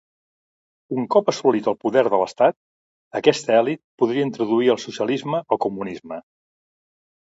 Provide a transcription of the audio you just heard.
Un cop assolit el poder de l'estat, aquesta elit podria introduir el socialisme o comunisme.